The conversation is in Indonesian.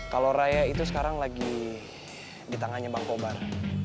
kalau raya itu sekarang lagi di tangannya bang kobar